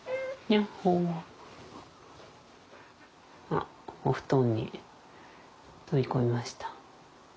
あっお布団に飛び込みました。